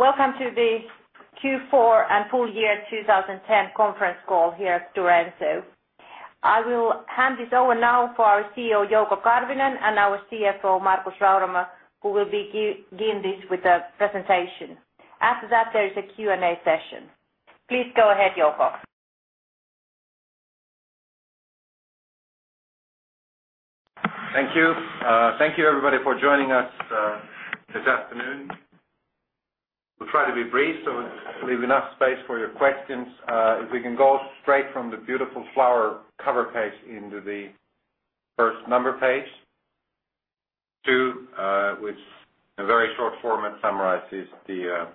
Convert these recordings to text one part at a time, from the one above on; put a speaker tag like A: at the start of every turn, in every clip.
A: Welcome to the Q4 and Full Year twenty ten Conference Call here at Durenso. I will hand this over now for our CEO, Jogo Carvinen and our CFO, Markus Rauromer, who will begin this with the presentation. After that, there is a Q and A session. Please go ahead, Joko.
B: Thank you. Thank you everybody for joining us this afternoon. We'll try to be brief, so we'll leave enough space for your questions. If we can go straight from the beautiful flower cover page into the first number page. Two, which in a very short format summarizes the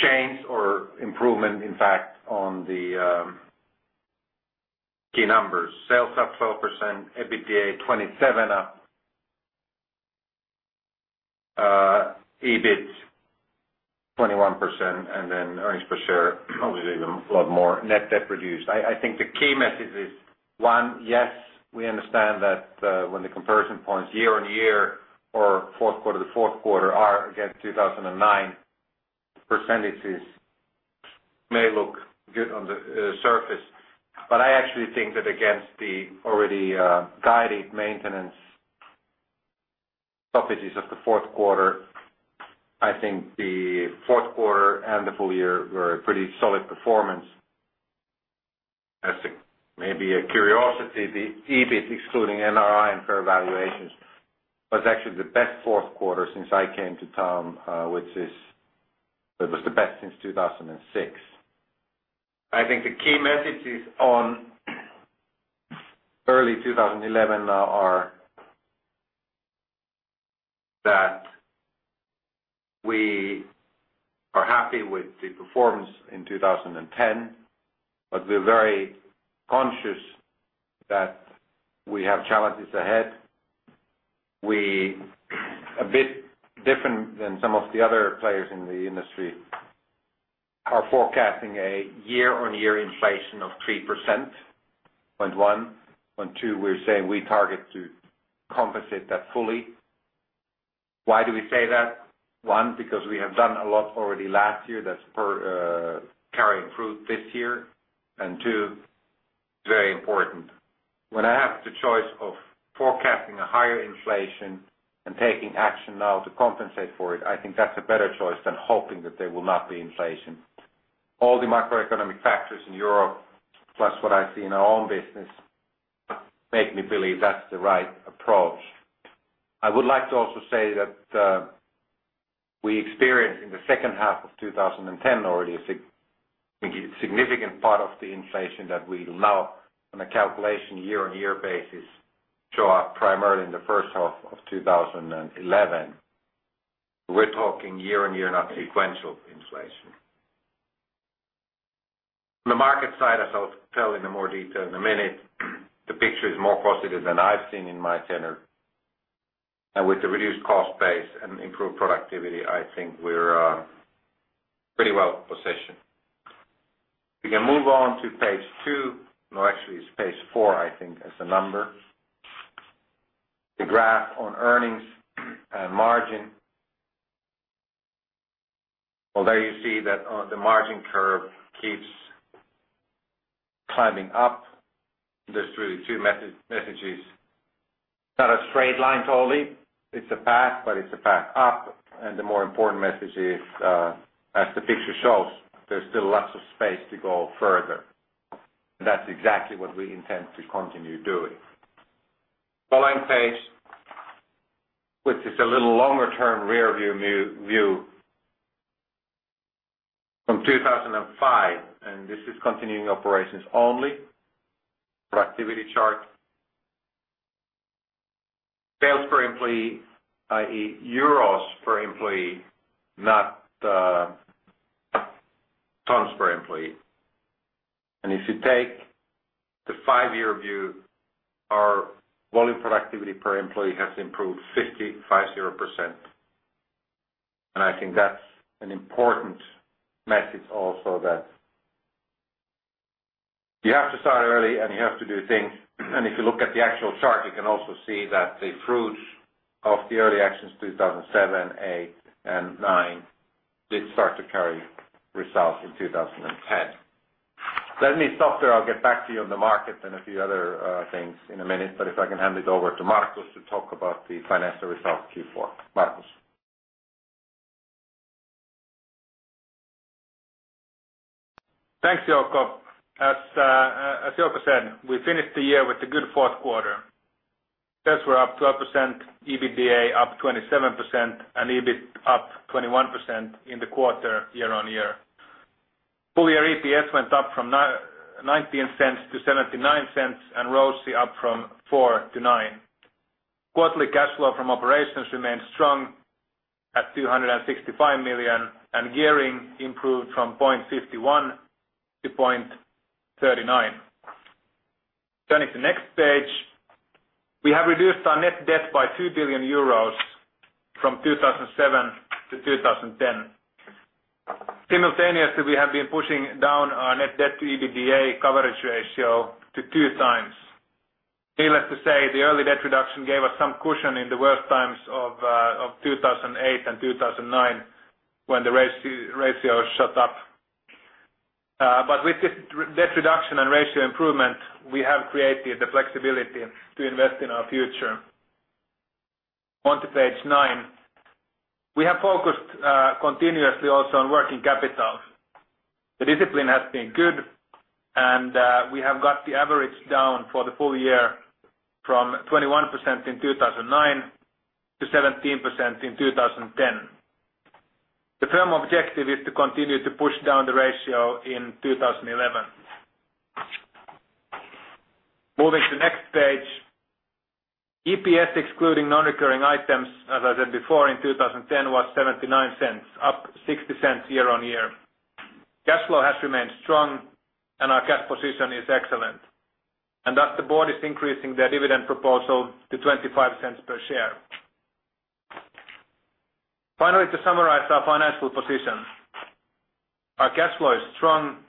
B: change or improvement in fact on the key numbers, sales up 12%, EBITDA 27%, EBIT 21% and then earnings per share obviously even a lot more net debt reduced. I think the key message is one, yes, we understand that when the comparison points year on year or fourth quarter to fourth quarter are against 2,009 percentages may look good on the surface. But I actually think that against the already guided maintenance properties of the fourth quarter, I think the fourth quarter and the full year were a pretty solid performance. As maybe a curiosity, the EBIT excluding NRI and fair valuations was actually the best fourth quarter since I came to town, which is that was the best since 02/2006. I think the key messages on early twenty eleven now are that we are happy with the performance in 2010, but we're very conscious that we have challenges ahead. We are a bit different than some of the other players in the industry are forecasting a year on year inflation of 3%, point one. Point two, we're saying we target to compensate that fully. Why do we say that? One, because we have done a lot already last year that's carrying fruit this year and two, very important. When I have the choice of forecasting a higher inflation and taking action now to compensate for it, I think that's a better choice than hoping that there will not be inflation. All the macroeconomic factors in Europe, plus what I see in our own business, make me believe that's the right approach. I would like to also say that we experienced in the 2010 already a significant part of the inflation that we now on a calculation year on year basis show up primarily in the 2011. We're talking year on year not sequential inflation. On the market side, as I'll tell in a more detail in a minute, the picture is more positive than I've seen in my tenure. And with the reduced cost base and improved productivity, I think we're pretty well positioned. We can move on to Page two, no actually it's Page four I think as a number. The graph on earnings and margin, Well, there you see that the margin curve keeps climbing up. There's really two messages. It's not a straight line totally, it's a path, but it's a path up and the more important message is as the picture shows, there's still lots of space to go further. That's exactly what we intend to continue doing. Following page, which is a little longer term rearview view from 2005 and this is continuing operations only productivity chart. Sales per employee, I. E. Euros per employee, not tons per employee. And
C: if
B: you take the five year view, our volume productivity per employee has improved 50%, and I think that's an important message also that you have to start early and you have to do things. And if you look at the actual chart, you can also see that the fruits of the early actions 02/2007, 02/08 and 02/09 did start to carry results in 2010. Let me stop there. I'll get back to you on the market and a few other things in a minute. But if I can hand it over to Markus to talk about the financial results Q4. Markus?
D: Thanks, Jocko. As Jocko said, we finished the year with a good fourth quarter. Sales were up 12%, EBITDA up 27% and EBIT up 21% in the quarter year on year. Full year EPS went up from €0.19 to €0.79 and ROCE up from €0.04 to €09 Quarterly cash flow from operations remained strong at $265,000,000 and gearing improved from 0.51 to 0.39. Turning to next page, we have reduced our net debt by 2 billion euros from 2,007 to $20.10. Simultaneously, we have been pushing down our net debt to EBITDA coverage ratio to two times. Needless to say, the early debt reduction gave us some cushion in the worst times of 2008 and 2009 when the ratio shut up. But with this debt reduction and ratio improvement, we have created the flexibility to invest in our future. On to Page nine. We have focused continuously also on working capital. The discipline has been good and we have got the average down for the full year from 21% in 2009 to 17% in 2010. The firm objective is to continue to push down the ratio in 2011. Moving to next page. EPS excluding non recurring items, as I said before in 2010 was €0.79 up €0.60 year on year. Cash flow has remained strong and our cash position is excellent. And thus the Board is increasing their dividend proposal to €0.25 per share. Finally, to summarize our financial position. Our cash flow is strong.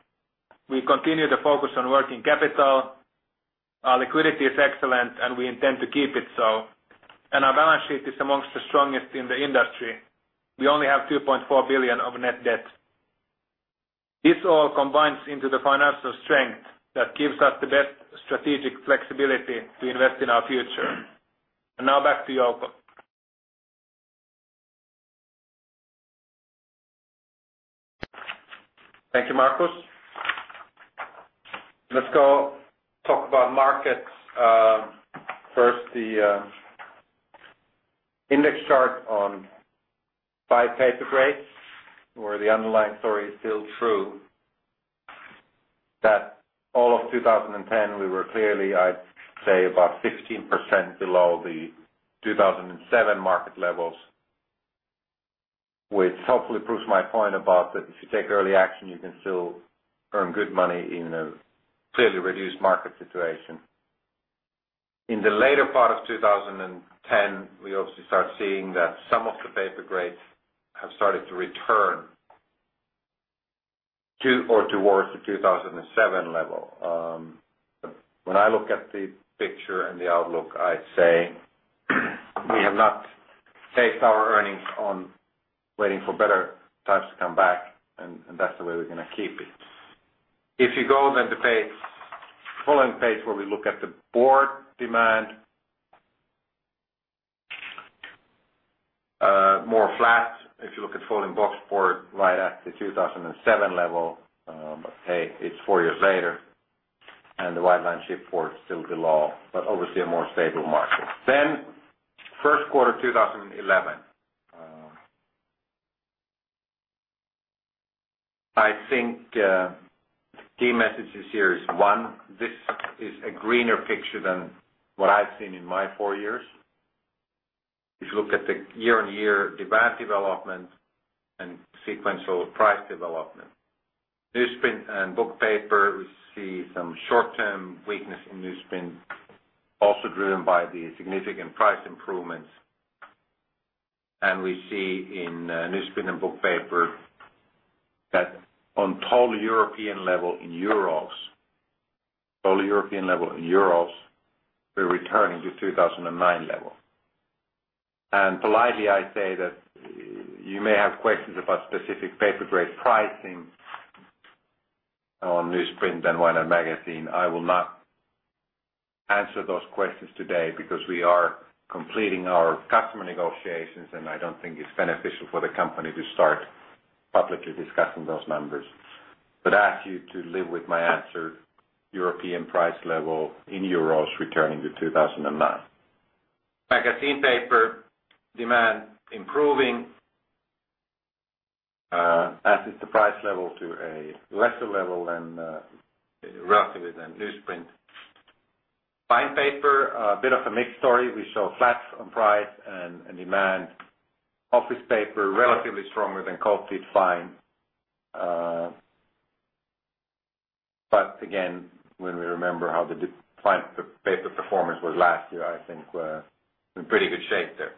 D: We continue to focus on working capital. Our liquidity is excellent and we intend to keep it so. And our balance sheet is amongst the strongest in the industry. We only have 2,400,000,000.0 of net debt. This all combines into the financial strength that gives us the best strategic flexibility to invest in our future. And now back to Joao.
B: Thank you, Markus. Let's go talk about markets. First, the index chart on five paper grades, where the underlying story is still true that all of 2010, we were clearly, I'd say, about 15% below the 2007 market levels, which hopefully proves my point about that if you take early action, you can still earn good money in a fairly reduced market situation. In the later part of 2010, we obviously start seeing that some of the paper grades have started to return to or towards the 2007 level. When I look at the picture and the outlook, I'd say, we have not faced our earnings on waiting for better times to come back and that's the way we're going to keep it. If you go then to page following page where we look at the board demand, more flat if you look at folding boxboard right at the 2,007 level, hey, it's four years later and the Whiteline shipboard still below, but obviously a more stable market. Then first quarter twenty eleven, I think key message this year is one, this is a greener picture than what I've seen in my four years. If you look at the year on year demand development and sequential price development. Newsprint and book paper, we see some short term weakness in newsprint also driven by the significant price improvements. And we see in newspaper paper that on total European level in euros, we're returning to 2,009 level. And politely I'd say that you may have questions about specific paper grade pricing on newsprint and YNA Magazine. I will not answer those questions today, because we are completing our customer negotiations and I don't think it's beneficial for the company to start publicly discussing those numbers. But I ask you to live with my answer, European price level in euros returning to 2,009. Magazine paper demand improving, that is the price level to a lesser level than roughly than newsprint. Fine paper, bit of a mixed story. We saw flat on price and demand. Office paper relatively stronger than coated fine. But again, when we remember how the plant paper performance was last year, think we're in pretty good shape there.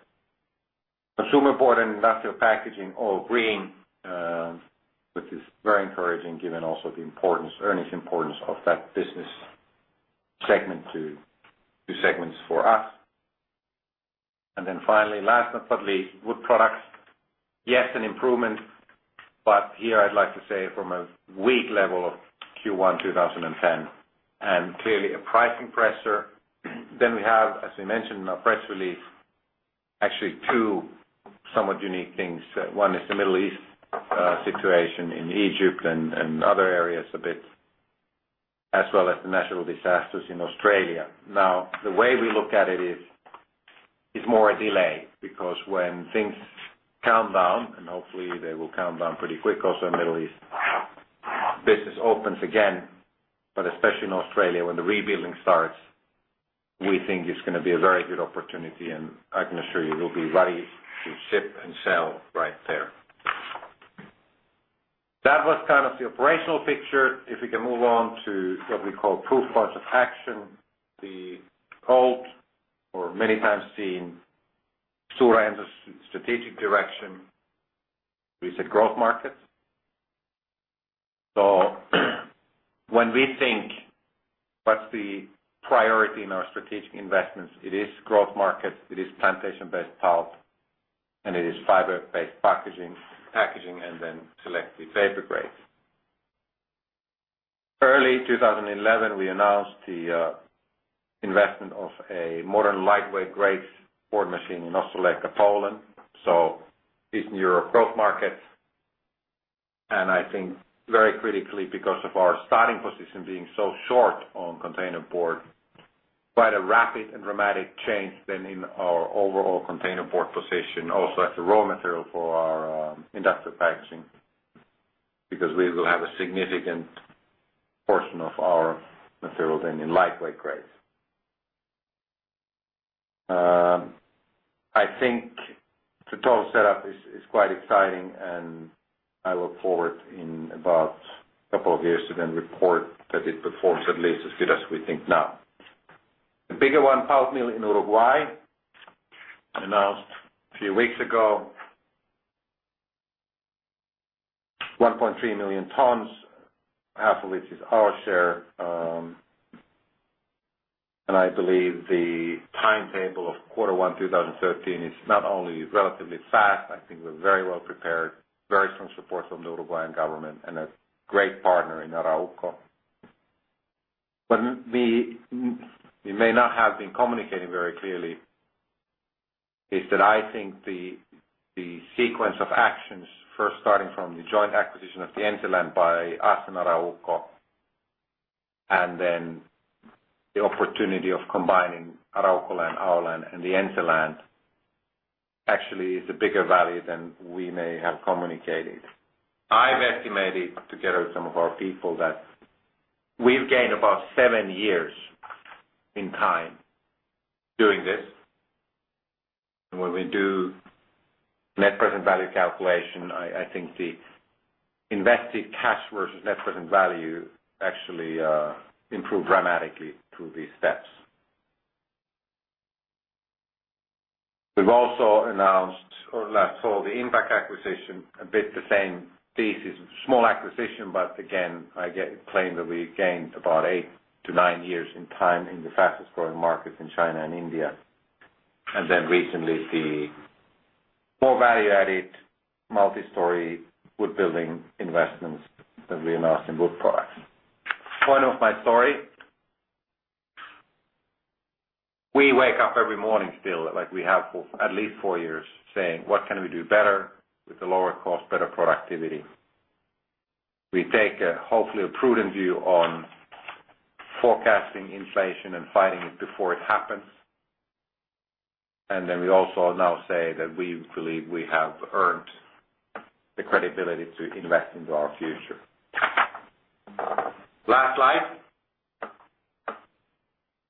B: Consumer Board and Industrial Packaging all green, which is very encouraging given also the importance earnings importance of that business segment to two segments for us. And then finally, last but not least, Wood Products, yes, an improvement, but here I'd like to say from a weak level of Q1 twenty ten and clearly a pricing pressure. Then we have, as we mentioned in our press release, actually two somewhat unique things. One is the Middle East situation in Egypt and other areas a bit as well as the national disasters in Australia. Now the way we look at it is, it's more a delay because when things calm down and hopefully they will calm down pretty quick also in Middle East, business opens again, but especially in Australia when the rebuilding starts, we think it's going to be a very good opportunity and I can assure you we'll be ready to ship and sell right there. That was kind of the operational picture. If we can move on to what we call proof points of action, the cold or many times seen Surin's strategic direction is a growth market. So when we think what's the priority in our strategic investments, it is growth markets, it is plantation based pulp and it is fiber based packaging and then selective vapor grade. Early twenty eleven, we announced the investment of a modern lightweight grade board machine in Ossaletka, Poland. So this is Europe growth market And I think very critically because of our starting position being so short on containerboard, quite a rapid and dramatic change then in our overall containerboard position also as a raw material for our industrial packaging, because we will have a significant portion of our material then in lightweight grades. I think the total setup is quite exciting and I look forward in about a couple of years to then report that it performs at least as good as we think now. The bigger one pulp mill in Uruguay announced a few weeks ago, 1,300,000 tons, half of which is our share. And I believe the timetable of quarter one twenty thirteen is not only relatively fast, think we're very well prepared, very strong support from the Uruguayan government and a great partner in Arauco. But we may not have been communicating very clearly is that I think the sequence of actions first starting from the joint acquisition of the Enseland by us and Arauco and then the opportunity of combining Arauco and Auolan and the Enseland actually is a bigger value than we may have communicated. I've estimated together with some of our people that we've gained about seven years in time doing this. And when we do net present value calculation, I think the invested cash versus net present value actually improved dramatically through these steps. We've also announced or last saw the Impact acquisition, a bit the same thesis, small acquisition, but again, I get it claimed that we gained about eight nine years in time in the fastest growing markets in China and India. And then recently, the more value added multistory woodbuilding investments that we announced in Wood Products. Point of my story, we wake up every morning still like we have for at least four years saying what can we do better with the lower cost, better productivity. We take hopefully a prudent view on forecasting inflation and fighting it before it happens. And then we also now say that we believe we have earned the credibility to invest into our future. Last slide,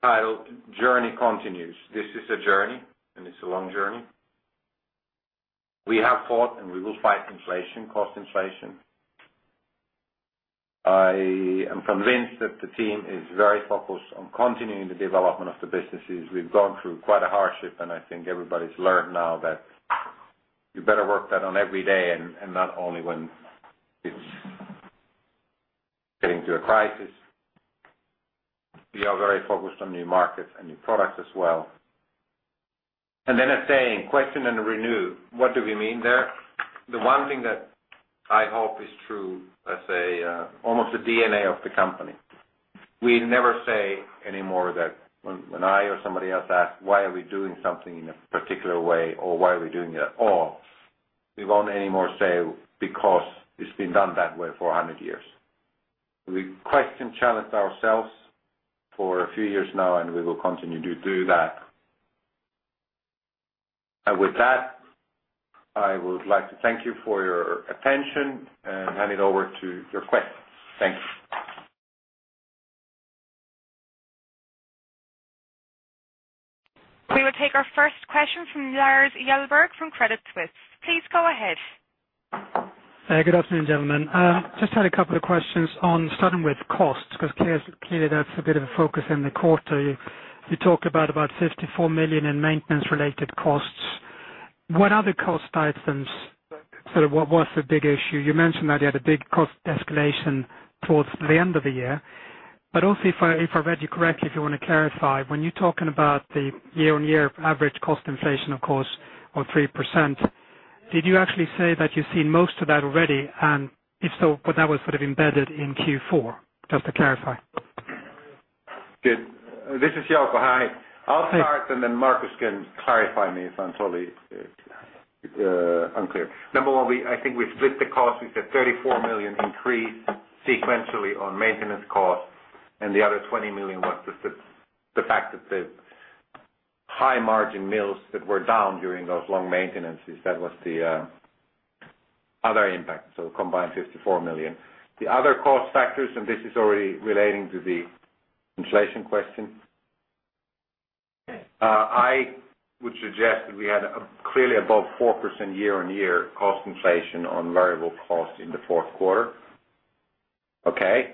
B: titled Journey Continues. This is a journey and it's a long journey. We have fought and we will fight inflation, cost inflation. I am convinced that the team is very focused continuing the development of the businesses. We've gone through quite a hardship and I think everybody's learned now that you better work that on every day and not only when it's getting to a crisis. We are very focused on new markets and new products as well. And then I'd say in question and renew, what do we mean there? The one thing that I hope is true, let's say, almost the DNA of the company. We never say anymore that when I or somebody else ask why are we doing something in a particular way or why are we doing it at all, we won't anymore say because it's been done that way for one hundred years. We quite can challenge ourselves for a few years now and we will continue to do that. And with that, I would like to thank you for your attention and hand it over to your questions. Thank you.
A: We will take our first question from Lars Kjellberg from Credit Suisse. Please go ahead.
C: Good afternoon, gentlemen. Just had a couple of questions on starting with costs, because clearly that's a bit of a focus in the quarter. Talked about €54,000,000 in maintenance related costs. What other cost items sort of what was the big issue? You mentioned that you had a big cost escalation towards the end of the year. But also if I read you correctly, you want to clarify, when you're talking about the year on year average cost inflation of course of 3%, did you actually say that you've seen most of that already? And if so, but that was sort of embedded in Q4, just to clarify?
B: Good. This is Jalko. Hi. I'll start and then Markus can clarify me if I'm totally unclear. Number one, I think we split the cost, we said 34,000,000 increase sequentially on maintenance cost and the other 20 million was the fact that the high margin mills that were down during those long maintenances that was the other impact, so combined 54 million. The other cost factors, and this is already relating to the inflation question. I would suggest that we had clearly above 4% year on year cost inflation on variable cost in the fourth quarter, Okay.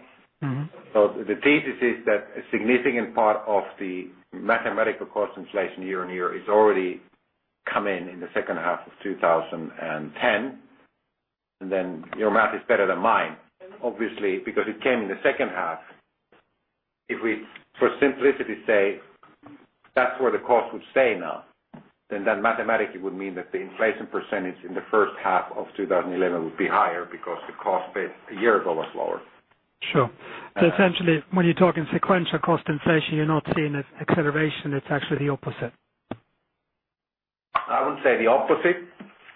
B: So the thesis is that a significant part of the mathematical cost inflation year on year is already coming in the 2010. And then your math is better than mine, obviously, because it came in the second half. If we for simplicity say, that's where the cost would stay now, then that mathematically would mean that the inflation percentage in the 2011 would be higher because the cost base a year ago was lower.
C: Sure. So essentially, when you're talking sequential cost inflation, you're not seeing an acceleration, it's actually the opposite?
B: I would say the opposite,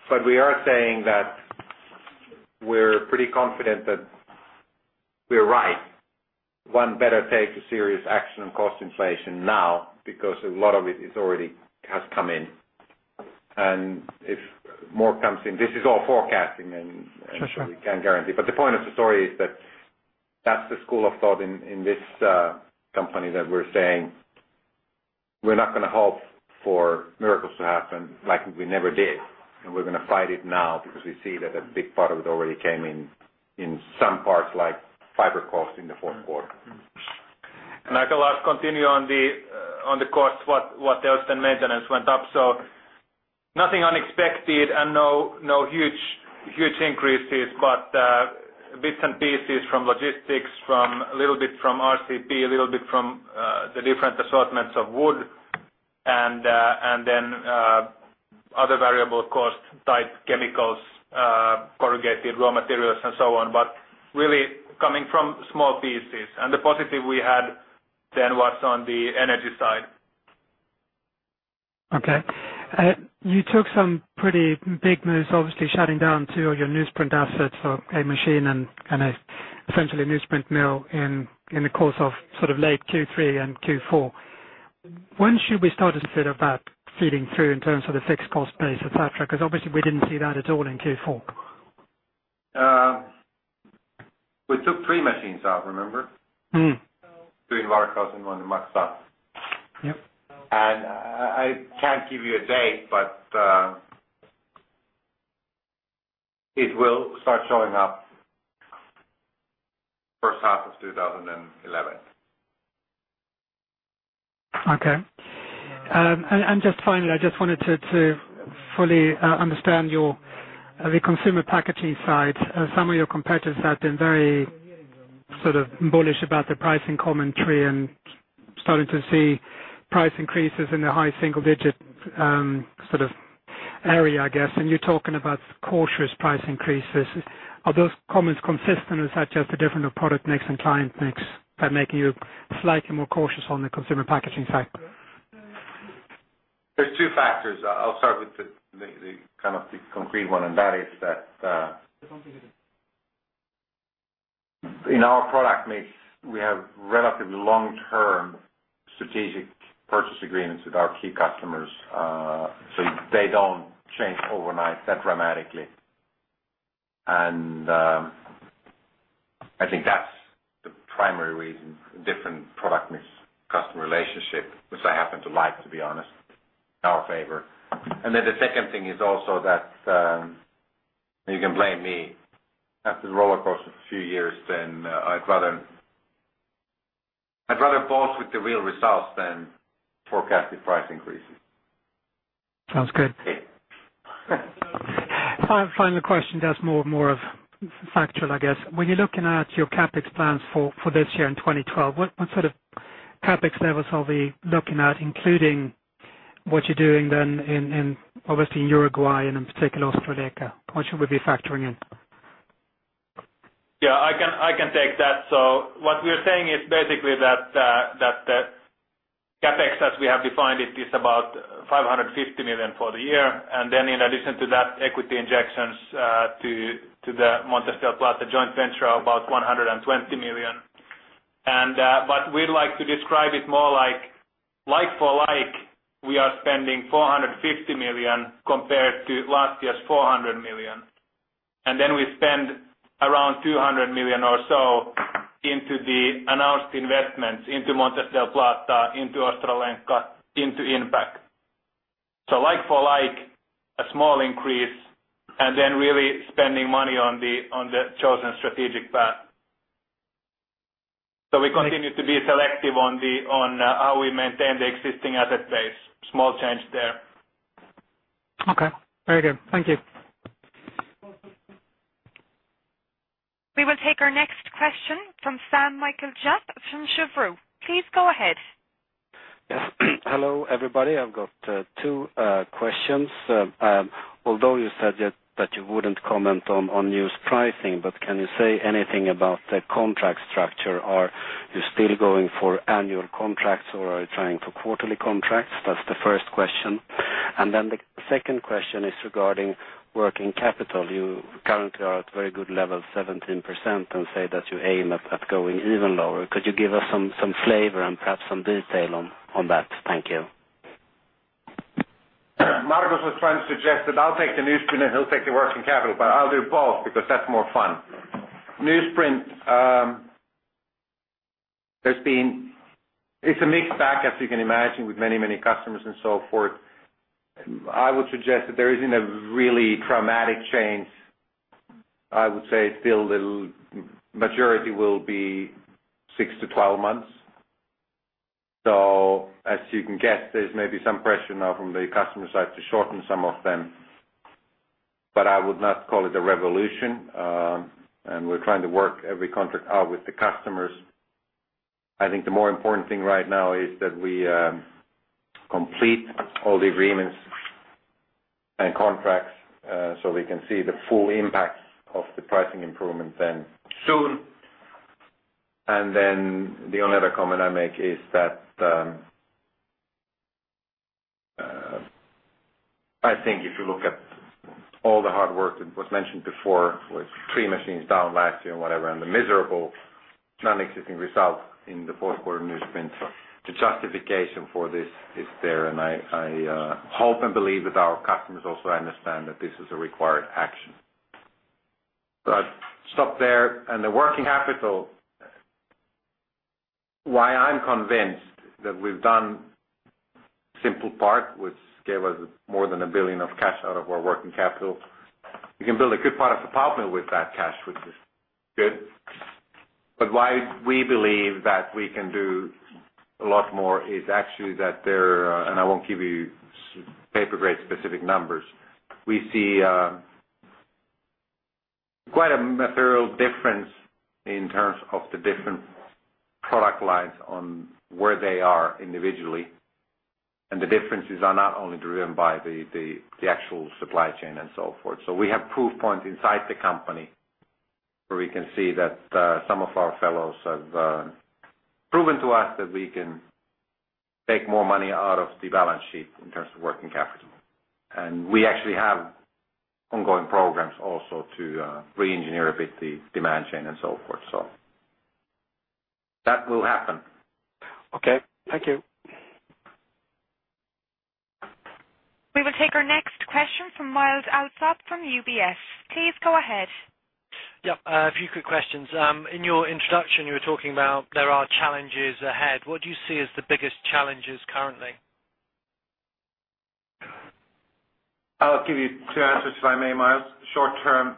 B: but we are saying that we're pretty confident that we are right. One better take a serious action on cost inflation now because a lot of it is already has come in. And if more comes in, this is all forecasting and But we can't the point of the story is that that's the school of thought in this company that we're saying, we're not going to hope for miracles to happen like we never did. We're going to fight it now because we see that a big part of it already came in some parts like fiber cost in the fourth quarter.
D: And I'll continue on the cost what else then maintenance went up. So nothing unexpected and no huge increases, but bits and pieces from logistics, from a little bit from RCP, a little bit from the different assortments of wood and then other variable cost type chemicals, corrugated raw materials and so on, but really coming from small pieces. And the positive we had then was on the energy side.
C: Okay. You took some pretty big moves obviously shutting down two of your newsprint assets for a machine and essentially newsprint mill in the course of sort of late Q3 and Q4. When should we start to feel about feeding through in terms of the fixed cost base, etcetera, because obviously we didn't see that at all in Q4?
B: We took three machines out, remember? Three in water cost and one in mud stuff. And I can't give you a date, but it will start showing up 2011.
C: Okay. And just finally, just wanted to fully understand your the consumer packaging side. Some of your competitors have been very sort of bullish about the pricing commentary and starting to see price increases in the high single digit sort of area, I guess. And you're talking about cautious price increases. Are those comments consistent? Is that just a different product mix and client mix by making you slightly more cautious on the consumer packaging side?
B: There's two factors. I'll start with the kind of the concrete one and that is that in our product mix, we have relatively long term strategic purchase agreements with our key customers. So they don't change overnight that dramatically. And I think that's the primary reason for different product mix, customer relationship, which I happen to like, to be honest, in our favor. And then the second thing is also that you can blame me, after the roller coaster few years, then I'd rather pause with the real results than forecasted price increases.
C: Sounds good. Final question just more of factual I guess. When you're looking at your CapEx plans for this year in 2012, what sort of CapEx levels are we looking at including what you're doing then in obviously in Uruguay and in particular Australia, what should we be factoring in?
D: Yes, I can take that. So what we're saying is basically that CapEx as we have defined it is about 550 million for the year. And then in addition to that equity injections to the Montesquieu Plaza joint venture of about 120 million. And but we'd like to describe it more like, like for like we are spending €450,000,000 compared to last year's €400,000,000 And then we spend around €200,000,000 or so into the announced investments into Montes del Plata, into Ostralenka, into Impact. So like for like a small increase and then really spending money on the chosen strategic path. We continue to be selective on how we maintain the existing asset base, small change there.
C: Okay. Very good. Thank you. We
A: will take our next question from Sam Michael Jap from Chevreux. Please go ahead.
E: Hello, everybody. I've got two questions. Although you said that you wouldn't comment on news pricing, but can you say anything about the contract structure? Are you still going for annual contracts? Or are you trying for quarterly contracts? That's the first question. And then the second question is regarding working capital. You currently are at very good level, 17% and say that you aim at going even lower. Could you give us some flavor and perhaps some detail on that? Thank you.
B: Markus was trying to suggest that I'll take the newsprint and he'll take the working capital, but I'll do both because that's more fun. Newsprint, there's been it's a mixed bag as you can imagine with many, many customers and so forth. I would suggest that there isn't a really dramatic change. I would say, still the majority will be six to twelve months. So as you can guess, there's maybe some pressure now from the customer side to shorten some of them. But I would not call it a revolution, and we're trying to work every contract out with the customers. I think the more important thing right now is that we complete all the agreements and contracts, so we can see the full impact of the pricing improvement then soon. And then the only other comment I make is that I think if you look at all the hard work that was mentioned before with three machines down last year and whatever and the miserable nonexistent result in the fourth quarter newsprint, the justification for this is there. And I hope and believe that our customers also understand that this is a required action. But I'll stop there. And the working capital, why I'm convinced that we've done simple part, which gave us more than $1,000,000,000 of cash out of our working capital, you can build a good part of the partner with that cash, which is good. But why we believe that we can do a lot more is actually that there and I won't give you paper grade specific numbers. We see quite a material difference in terms of the different product lines on where they are individually. And the differences are not only driven by the actual supply chain and so forth. So we have proof points inside the company where we can see that some of our fellows have proven to us that we can take more money out of the balance sheet in terms of working capital. And we actually have ongoing programs also to reengineer a bit the demand chain So that will happen. Okay. Thank you.
A: We will take our next question from Myles Allsop from UBS. Please go ahead.
F: Yes. A few quick questions. In your introduction, you were talking about there are challenges ahead. What do you see as the biggest challenges currently?
B: I'll give you two answers if I may Myles. Short term,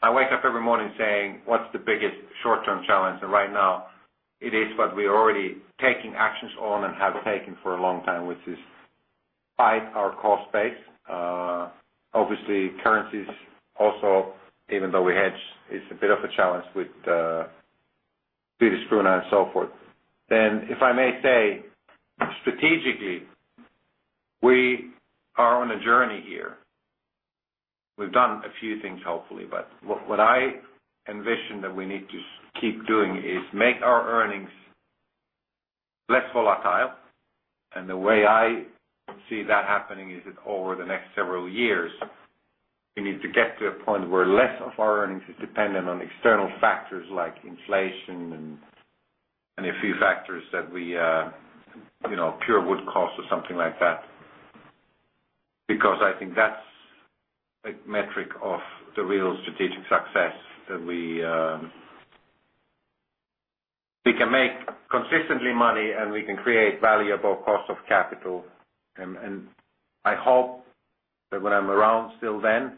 B: I wake up every morning saying what's the biggest short term challenge. And right now, it is what we're already taking actions on and have taken for a long time, is by our cost base. Obviously, currencies also even though we hedge is a bit of a challenge with the Swedish krona and so forth. Then if I may say, strategically, we are on a journey here. We've done a few things hopefully, but what I envision that we need to keep doing is make our earnings less volatile. And the way I see that happening is that over the next several years, we need to get to a point where less of our earnings is dependent on external factors like inflation and a few factors that we pure wood cost or something like that. Because I think that's a metric of the real strategic success that we can make consistently money and we can create valuable cost of capital. And I hope that when I'm around still then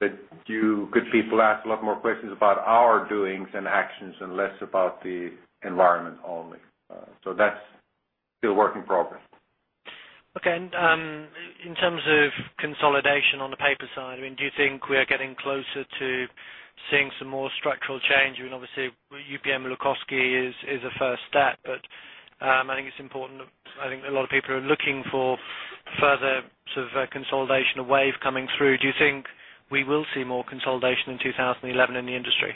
B: that you could people ask a lot more questions about our doings and actions and less about the environment only. So that's still work in progress.
F: Okay. And in terms of consolidation on the paper side, I mean, do you think we are getting closer to seeing some more structural change? I mean, obviously, UPM Lukowski is a first step, but I think it's important I think a lot of people are looking for further sort of consolidation of WAVE coming through. Do you think we will see more consolidation in 2011 in the industry?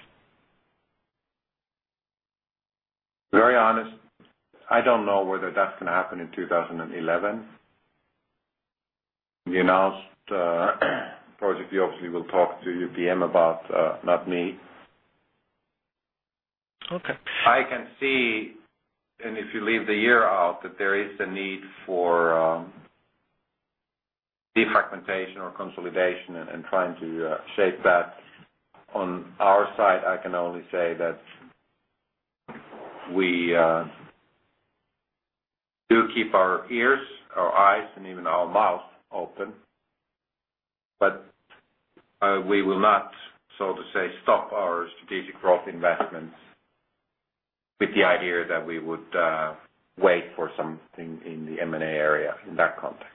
B: Very honest, I don't know whether that's going to happen in 2011. We announced the project, we obviously will talk to UPM about, not me. I can see and if you leave the year out that there is a need for defragmentation or consolidation and trying to shape that. On our side, I can only say that we do keep our ears, our eyes and even our mouth open, But we will not, so to say, stop our strategic growth investments with the idea that we would wait for something in the M and A area in that context.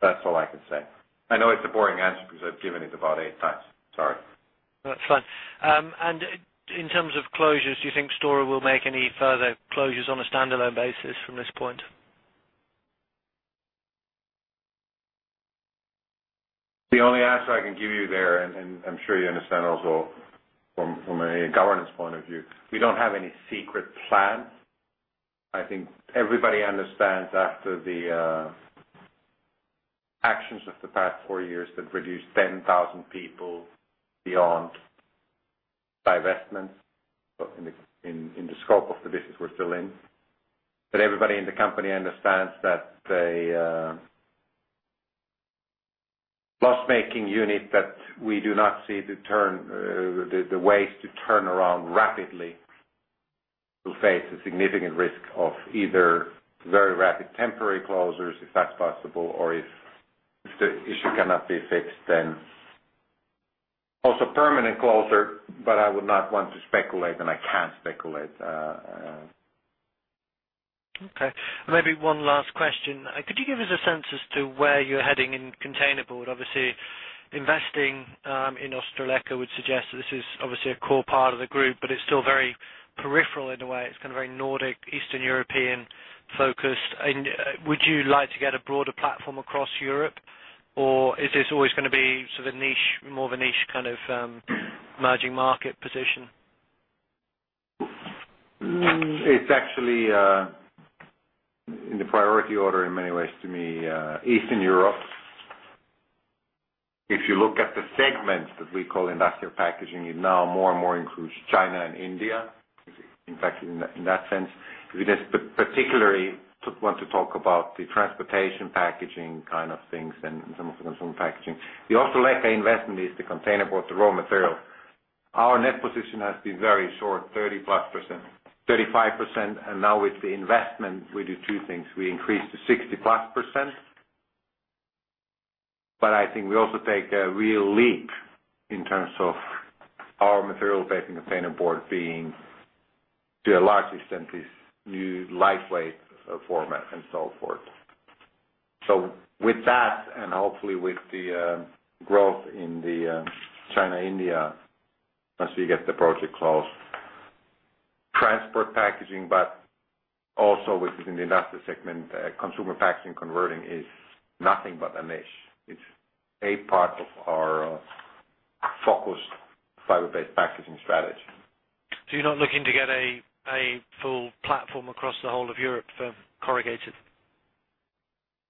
B: That's all I can say. I know it's a boring answer because I've given it about eight times, sorry.
F: That's fine. And in terms of closures, do you think Stora will make any further closures on a stand alone basis from this point?
B: The only answer I can give you there and I'm sure you understand also from a governance point of view, we don't have any secret plans. I think everybody understands after the actions of the past four years that reduced 10,000 people beyond divestments in the scope of the business we're still in. But everybody in the company understands that a loss making unit that we do not see the turn the ways to turn around rapidly will face a significant risk of either very rapid temporary closures, if that's possible, or if the issue cannot be fixed then also permanent closure, but I would not want to speculate and I can't speculate.
F: Okay. Maybe one last question. Could you give us a sense as to where you're heading Obviously, investing in Ostroleka would suggest that this is obviously a core part of the group, but it's still very peripheral in a way. It's kind of very Nordic, Eastern European focused. And would you like to get a broader platform across Europe? Or is this always going to be sort of niche more of a niche kind of emerging market position?
B: It's actually in the priority order in many ways to me, Eastern Europe. If you look at the segments that we call industrial packaging, it now more and more includes China and India, in fact, in that sense. We just particularly want to talk about the transportation packaging kind of things and some of the consumer packaging. The Ottoleca investment is the containerboard, the raw material. Our net position has been very short 30 plus percent 35. And now with the investment, we do two things. We increased to 60 plus percent, But I think we also take a real leap in terms of our material vaping containerboard being to a large extent this new lightweight format and so forth. So with that and hopefully with the growth in the China, India as we get the project closed, transport packaging, but also within the Industrial segment, consumer packaging converting is nothing but a niche. It's a part of our focused fiber based packaging strategy.
F: So you're not looking to get a full platform across the whole of Europe for corrugated?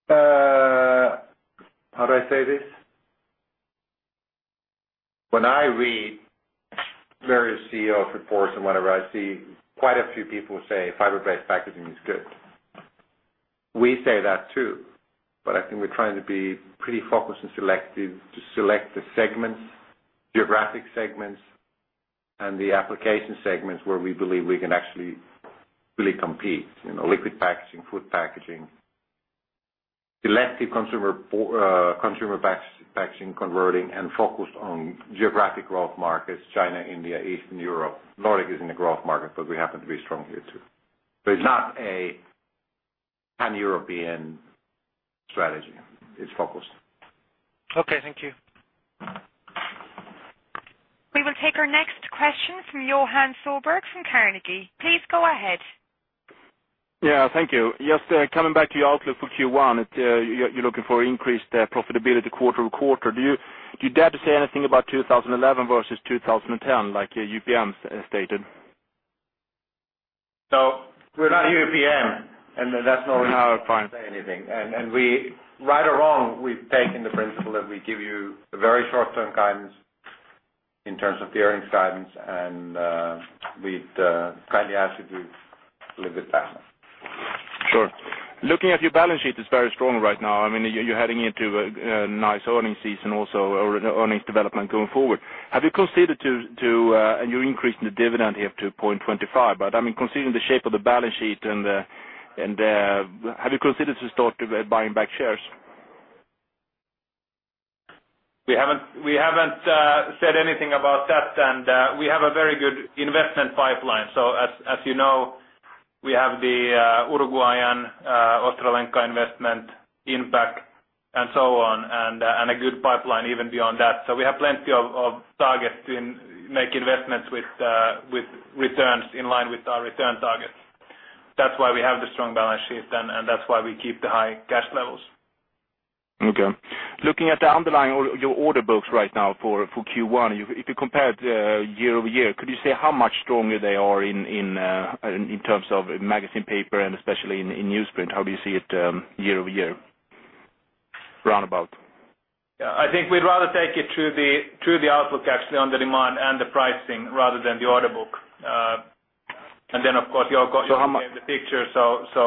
B: How do I say this? When I read various CEO's reports and whatever I see quite a few people say fiber based packaging is good. We say that too, but I think we're trying to be pretty focused and selective to select the segments, geographic segments and the application segments where we believe we can actually really compete in liquid packaging, food packaging, selective consumer packaging converting and focused on geographic growth markets, China, India, Eastern Europe. Nordic is in the growth market, but we happen to be strong here too. So it's not a pan European strategy. It's focused.
C: Okay. Thank you.
A: We will take our next question from Johan Sverdrup from Carnegie. Please go ahead.
B: Yes. Thank you. Just coming back to your
G: outlook for Q1, you're looking for increased profitability quarter over quarter. Do you dare to say anything about 2011 versus 2010 like UPM stated?
D: So we're not UPM and that's not
B: in our plan to say anything. And we right or wrong, we've taken the principle that we give you a very short term guidance in terms of the earnings guidance and we'd kindly ask you to leave it back.
G: Sure. Looking at your balance sheet, it's very strong right now. I mean, you're heading into a nice earnings season also or earnings development going forward. Have you considered to and you're increasing the dividend But I mean considering the shape of the balance sheet and have you considered to start buying back shares?
D: We haven't said anything about that. And we have a very good investment pipeline. So as you know, we have the Uruguayan, Ostralenka investment, INPAC and so on and a good pipeline even beyond that. So we have plenty of targets to make investments with returns in line with our return targets. That's why we have the strong balance sheet and that's why we keep the high cash levels.
G: Okay. Looking at the underlying your order books right now for Q1, if you compare it year over year, could you say how much stronger they are in terms of magazine paper and especially in newsprint? How do you see it year over year roundabout?
D: Yes. I think we'd rather take it through the outlook actually on the demand and the pricing rather than the order book. And then, of course, Jokos, you gave the picture,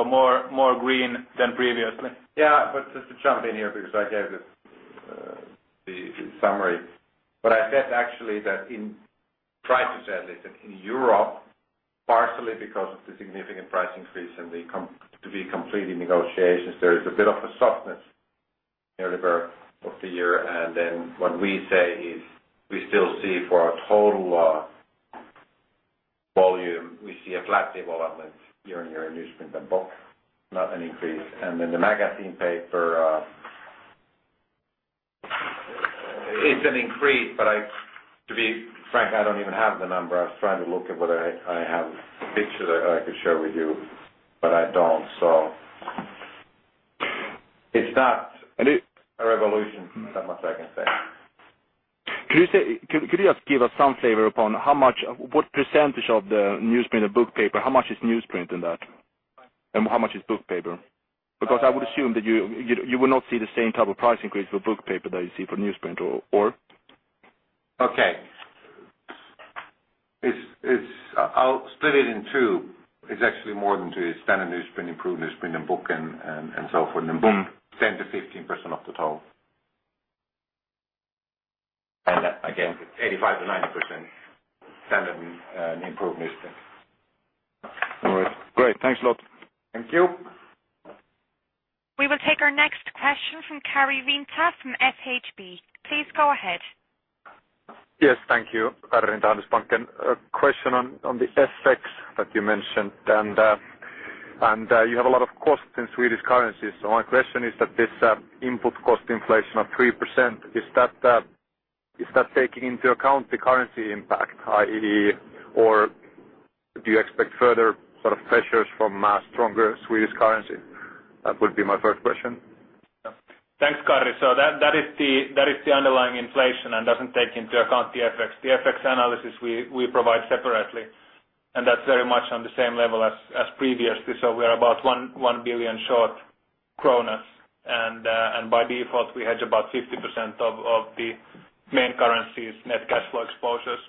D: more green than previously.
B: Yes. But just to jump in here, because I gave summary. What I said actually that in prices at least in Europe, partially because of the significant price increase and to be completing negotiations, there is a bit of a softness in the birth of the year. And then what we say is we still see for our total volume, we see a flat development year on year in newsprint and book, not an increase. And then the magazine paper it's an increase, but I to be frank, I don't even have the number. Was trying to look at what I have picture that I could share with you, but I don't. So it's not a revolution, is that much I can say.
G: Could you just give us some flavor upon how much what percentage of the newsprint and book paper, how much
B: is newsprint in that? And how much is book paper? Because I
G: would assume that you will not see the same type of price increase for book paper that you see for newsprint or
B: Okay. I'll split it in two. It's actually more than two standard newsprint, improved newsprint and book and so forth. And book 10% to 15% of the total. And again, 85% to 90% standard and improved newsprint. All right, great. Thanks a lot. Thank you.
A: We will take our next question from Karri Rinta from SHB. Please go ahead.
B: Yes, thank you. Karri Rinta, Handelsbanken. A question on the FX that you mentioned. And you have a lot of costs in Swedish currencies. So my question is that this input cost inflation of 3%, is that taking into account the currency impact, I. E. Or do you expect further sort of pressures from a stronger Swedish currency? That would be my first question.
D: Thanks, Karri. So that is the underlying inflation and doesn't take into account the FX. The FX analysis we provide separately, and that's very much on the same level as previously. So we're about 1,000,000,000 kronor short and by default we hedge about 50% of the main currencies net cash flow exposures.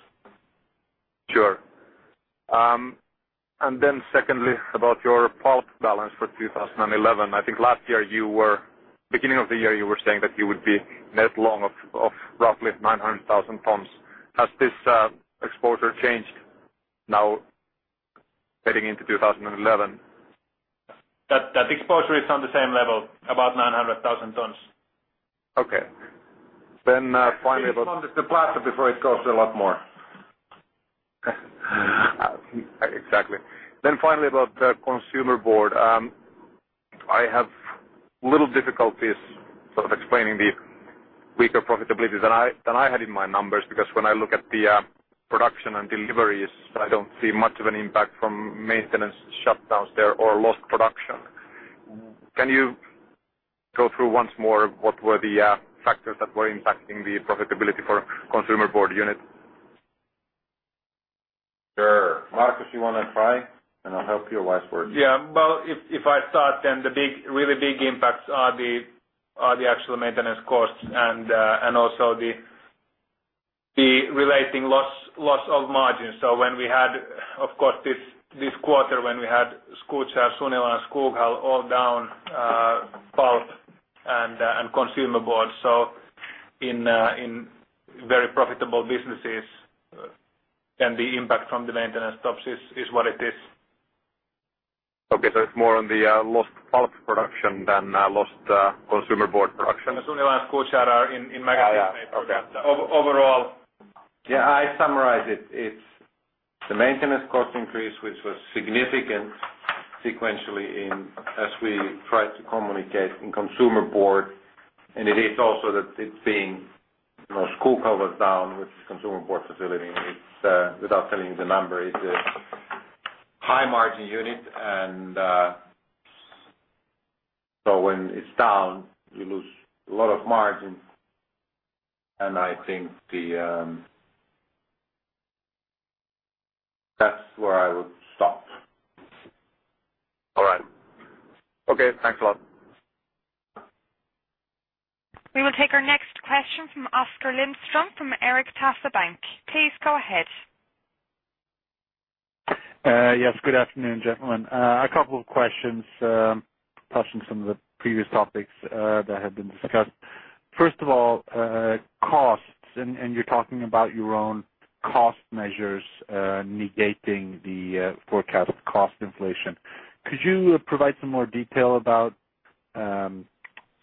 B: Sure. And then secondly, about your pulp balance for 2011. I think last year you were beginning of the year, you were saying that you would be net long of roughly 900,000 tons. Has this exposure changed now heading into 2011?
D: That exposure is on the same level, about 900,000 tons.
B: Finally Just wanted to plaster before it costs a lot more. Exactly. Then finally about the Consumer Board. I have little difficulties sort of explaining the weaker profitability than I had in my numbers because when I look at the production and deliveries, I don't see much of an impact from maintenance shutdowns there or lost production. Can you go through once more what were the factors that were impacting the profitability for Consumer Board unit? Sure. Markus, you want to try and I'll help you or wise words.
D: Yes. Well, if I start then the big really big impacts are the actual maintenance costs and also the relating loss of margins. So when we had, of course, this quarter when we had Skucha, Sunilen, Skogal all down pulp and consumables, so in very profitable businesses and the impact from the maintenance stops is what it is.
B: Okay. So it's more on the lost pulp production than lost Consumer Board production.
D: And as soon as ask Kocharar in my
B: Yes, I summarized it. It's the maintenance cost increase, which was significant sequentially in as we try to communicate in Consumer Board and it is also that it's being Schuylkill was down with Consumer Board facility. It's without telling you the number, it's a high margin unit. And so when it's down, you lose a lot of margin. And I think the that's where I would stop. All right. Okay. Thanks a lot.
A: We will take our next question from Oscar Lindstrom from Erikshaftas Bank. Please go ahead.
B: Yes. Good afternoon, A couple of questions, touching some of the previous topics that have been discussed. First of all, and you're talking about your own cost measures negating the forecast cost inflation. Could you provide some more detail about sort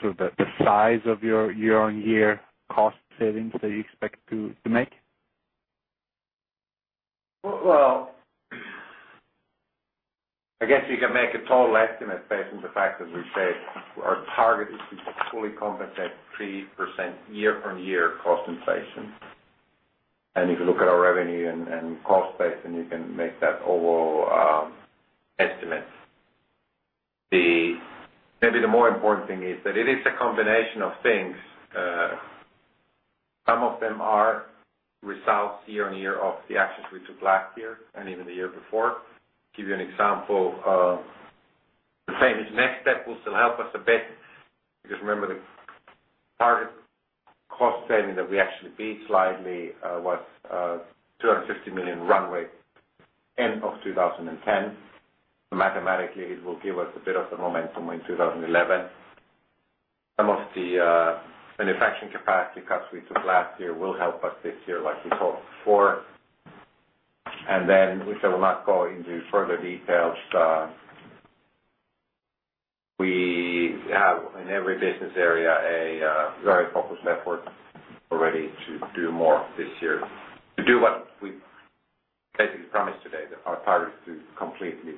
B: of the size of your year on year cost savings that you expect to make?
D: Well,
B: I guess you can make a total estimate based on the fact that we've said our target is to fully compensate 3% year on year cost inflation. And if you look at our revenue and cost base, then you can make that overall estimate. The the more important thing is that it is a combination of things. Some of them are results year on year of the actions we took last year and even the year before. To give you an example, the same as next step will still help us a bit, because remember the target cost savings that we actually beat slightly was $250,000,000 run rate 2010. Mathematically, it will give us a bit of the momentum in 2011. Some of the manufacturing capacity cuts we took last year will help us this year like we talked before. And then we shall not go into further details. We have in every business area a very focused effort already to do more this year to do what we basically promised today that our target is to completely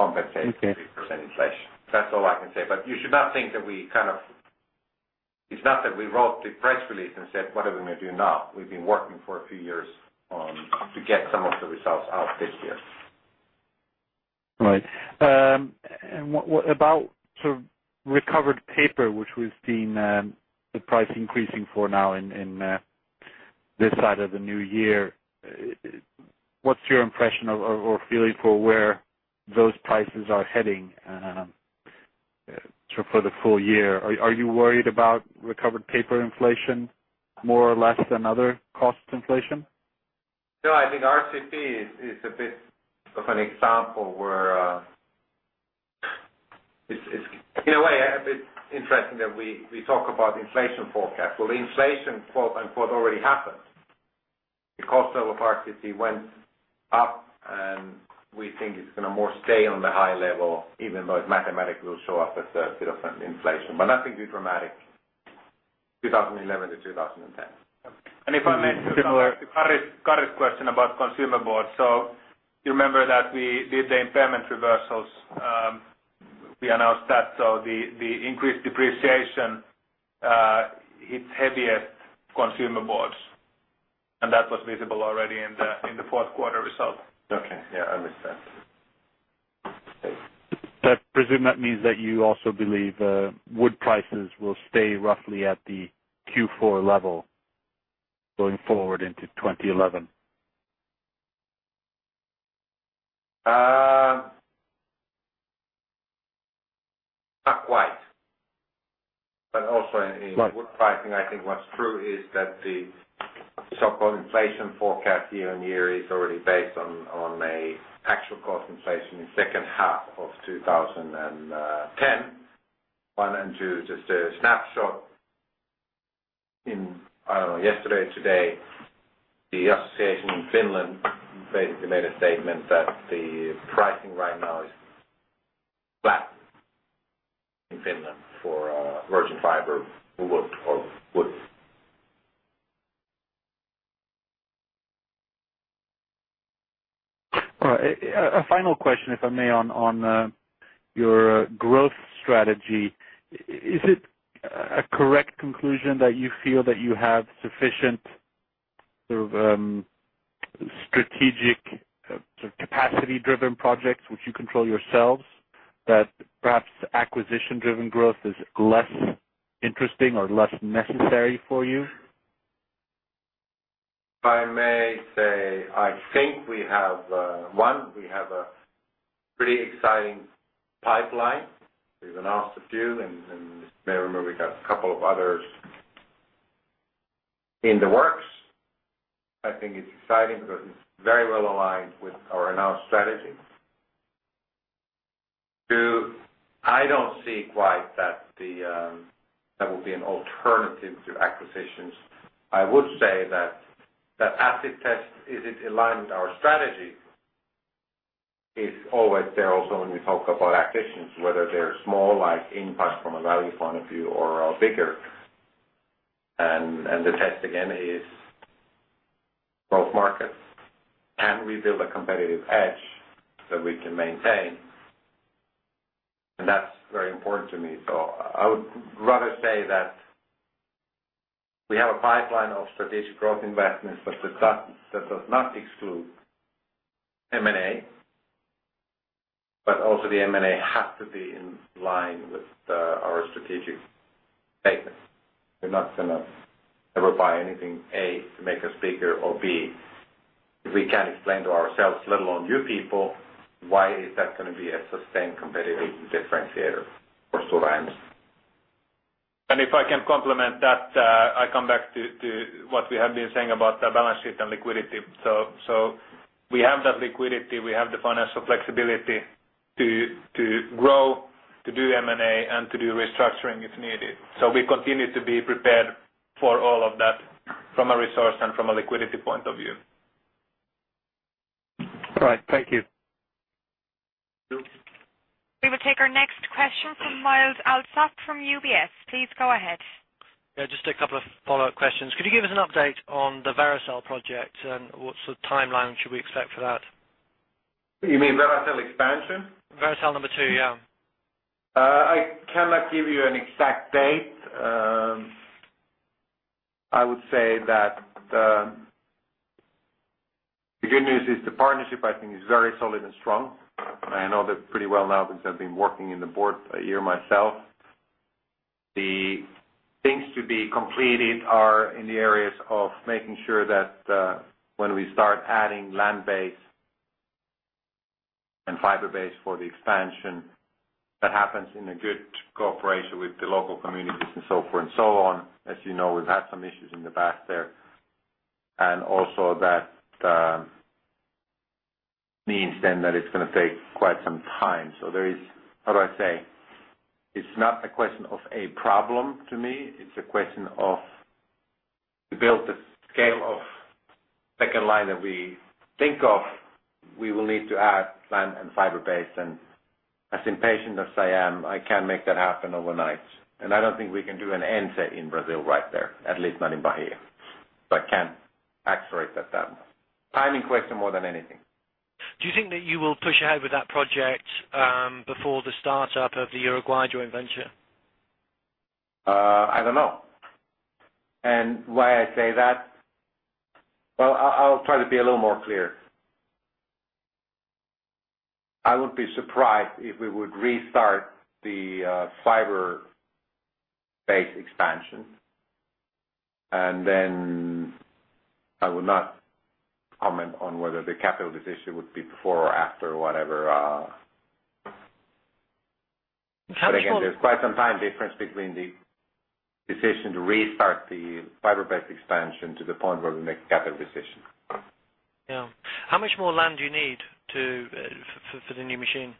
B: compensate 3% inflation. That's all I can say. But you should not think that we kind of it's not that we wrote the press release and said what are we going to do now. We've been working for a few years to get some of the results out this year. Right. And what about sort of recovered paper, which we've seen the price increasing for now in this side of the New Year. What's your impression or feeling for where those prices are heading for the full year? Are you worried about recovered paper inflation more or less than other cost inflation? No, I think RCP is a bit of an example where it's in a way a bit interesting that we talk about inflation forecast. So the inflation quote unquote already happened. The cost of RCT went up and we think it's going to more stay on the high level even though mathematically will show up as a bit of an inflation, but nothing too dramatic twenty eleven to twenty ten.
D: And if I may, to color the current question about Consumer Board. So you remember that we did the impairment reversals. We announced that so the increased depreciation hit heavier Consumer Boards, and that was visible already in the fourth quarter result. Okay. Yes, I understand.
B: Presume that means that you also believe wood prices will stay roughly at the Q4 level going forward into 2011? Not quite, but also in pricing, I think what's true is that the so called inflation forecast year on year is already based on a actual cost inflation in 2010. January, just a snapshot in, I don't know, yesterday, today, the association in Finland basically made a statement that the pricing right now is flat in Finland for virgin fiber wood. A final question if I may on your growth strategy. Is it a correct conclusion that you feel that you have sufficient sort of strategic sort of capacity driven projects, which you control yourselves that perhaps acquisition driven growth is less interesting or less necessary for you? If I may say, I think we have one, we have a pretty exciting pipeline. We've announced a few and you may remember we got a couple of others in the works. I think it's exciting because it's very well aligned with our announced strategy. I don't see quite that the that will be an alternative to acquisitions. I would say that asset test is it aligned with our strategy is always there also when we talk about acquisitions, whether they're small like in past from a value point of view or bigger. And the test again is growth markets and we build a competitive edge that we can maintain. And that's very important to me. So I would rather say that we have a pipeline of strategic growth investments, but that does not exclude M and A, but also the M and A has to be in line with our strategic statement. We're not going to ever buy anything, a, to make us bigger or b, we can't explain to ourselves, let alone new people, why is that going to be a sustained competitive differentiator for Suraham's.
D: And if I can complement that, I'll come back to what we have been saying about the balance sheet and liquidity. So we have that liquidity. We have the financial flexibility to grow, to do M and A and to do restructuring if needed. So we continue to be prepared for all of that from a resource and from a liquidity point of view.
B: All right. Thank you. We will
A: take our next question from Myles Allsop from UBS. Please go ahead.
F: Yes. Just a couple of follow-up questions. Could you give us an update on the Veracel project? And what's the time line should we expect for that?
D: You mean Veracel expansion?
F: Veracel number two, yes.
B: I cannot give you an exact date. I would say that the good news is the partnership I think is very solid and strong. And I know that pretty well now since I've been working in the board a year myself. The things to be completed are in the areas of making sure that when we start adding land base and fiber base for the expansion that happens in a good cooperation with the local communities and so forth and so on. As you know, we've had some issues in the past there And also that means then that it's going to take quite some time. So there is how do I say, it's not a question of a problem to me, it's a question of to build the scale of second line that we think of, we will need to add plant and fiber base. And as impatient as I am, I can make that happen overnight. And I don't think we can do an answer in Brazil right there, at least not in Bahia. But can't accelerate that timing question more than anything.
F: Do you think that you will push out with that project before the start up of the Uruguay joint venture?
B: I don't know. And why I say that? Well, I'll try to be a little more clear. I would be surprised if we would restart the fiber base expansion, And then I will not comment on whether the capital decision would be before or after whatever. There's quite some time difference between the decision to restart the fiber based expansion to the point where we make capital decision.
F: Yes. How much more land do you need to for the new machine?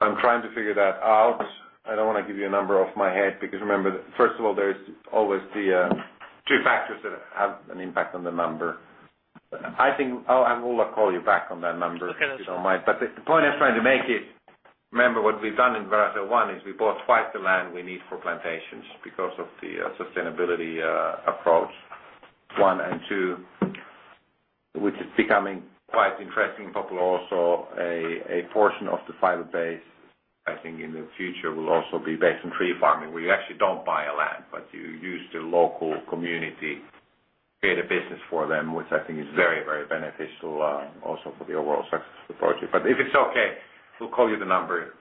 B: I'm trying to figure that out. I don't want to give you a number off my head because remember, first of all, there is always the two factors that have an impact on the number. I think will call you back on that number, if you don't mind. But the point I'm trying to make is, remember what we've done in Verrazza one is we bought quite the land we need for plantations because of the sustainability approach one and two, which is becoming quite interesting, but also a portion of the fiber base, I think in the future will also be based on tree farming where you actually don't buy a land, but you use the local community, create a business for them, which I think is very, very beneficial also for the overall success of the project. But if it's okay, we'll call you the number.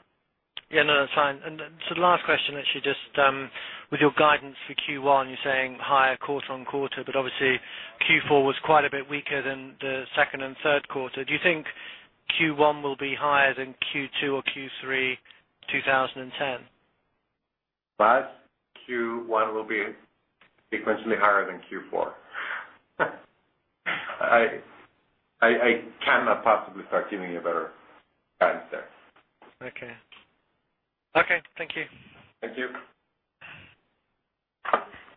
C: Yes, no, that's fine.
F: And so last question actually just with your guidance for Q1, you're saying higher quarter on quarter, but obviously Q4 was quite a bit weaker than the second and third quarter. Do you think Q1 will be higher than Q2 or Q3 twenty ten?
B: But Q1 will be sequentially higher than Q4. I cannot possibly start giving you a better time there.
C: Okay. Thank you.
B: Thank you.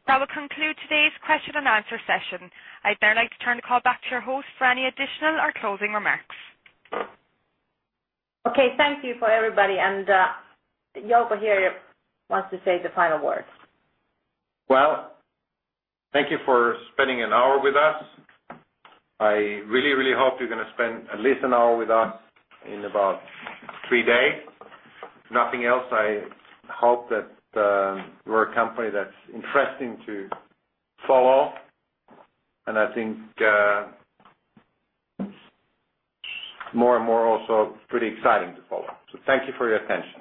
A: That will conclude today's question and answer session. I'd now like to turn the call back to your host for any additional or closing remarks. Okay. Thank you for everybody. And Joko here wants to say the final words.
B: Well, thank you for spending an hour with us. I really, really hope you're going to spend at least an hour with us in about three days. If nothing else, I hope that we're a company that's interesting to follow, and I think more and more also pretty exciting to follow. So thank you for your attention.